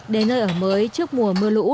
đến nơi ở mới trước mùa mưa lũ